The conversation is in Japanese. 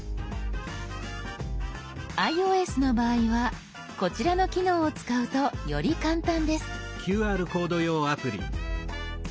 ｉＯＳの場合はこちらの機能を使うとより簡単です。